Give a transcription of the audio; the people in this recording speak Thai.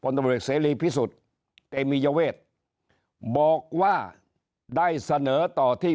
ตำรวจเสรีพิสุทธิ์เตมียเวทบอกว่าได้เสนอต่อที่